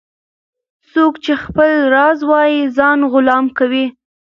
- څوک چي خپل راز وایې ځان غلام کوي.